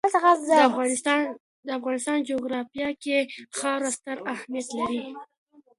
د افغانستان جغرافیه کې خاوره ستر اهمیت لري.